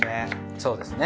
そうですね。